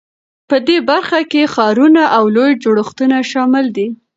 په دې برخه کې ښارونه او لوی جوړښتونه شامل دي.